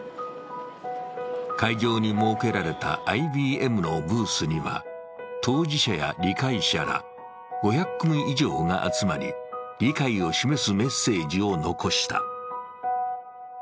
会場に設けられたＩＢＭのブースには当事者や理解者ら５００組以上が集まり、理解を示すメッセージを残した。